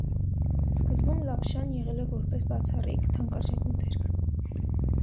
Սկզբում լապշան եղել է որպես բացառիկ, թանկարժեք մթերք։